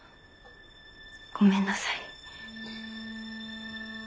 ごめんなさい。